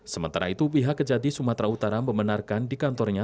sementara itu pihak kejati sumatera utara membenarkan di kantornya